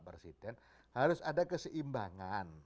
presiden harus ada keseimbangan